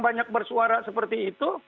banyak bersuara seperti itu